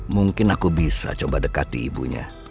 mungkin aku bisa coba dekati ibunya